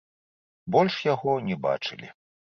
Больш яго не бачылі.